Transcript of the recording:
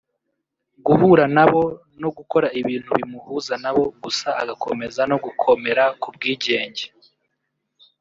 guhura nabo no gukora ibintu bimuhuza nabo gusa agakomeza no gukomera ku bwigenge